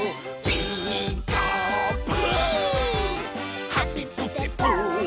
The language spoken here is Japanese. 「ピーカーブ！」